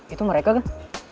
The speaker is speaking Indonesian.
itu mereka kan